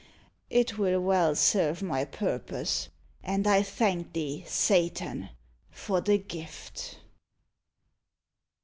It will well serve my purpose; and I thank thee, Satan, for the gift."